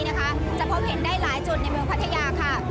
จะพบเห็นได้หลายจุดในเมืองพัทยาค่ะ